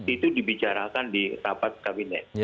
itu dibicarakan di rapat kabinet